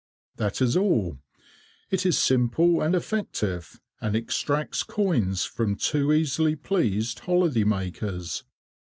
That is all. It is simple and effective, and extracts coins from too easily pleased holiday makers.